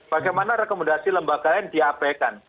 bagaimana rekomendasi lembaga yang di apkan